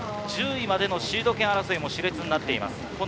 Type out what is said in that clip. １０位までのシード権争いも熾烈になっています。